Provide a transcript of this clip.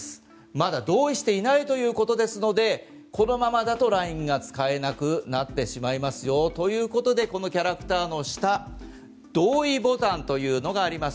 まだ同意していないということですのでこのままだとＬＩＮＥが使えなくなってしまいますよということでこのキャラクターの下同意ボタンというのがあります。